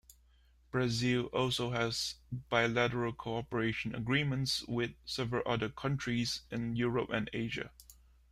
Brazil also has bilateral cooperation agreements with several other countries in Europe and Asia.